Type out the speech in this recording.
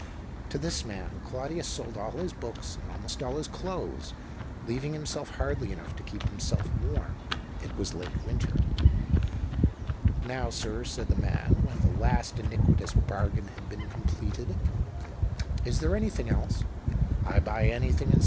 To this man Claudius sold all his books and almost all his clothes, leaving himself hardly enough to keep himself warm — it was late winter. "Now, sir," said the man, when the last iniquitous bargain had been completed, "is there nothing else ? I buy anything and THE OCTAVE OF CLAUDIUS.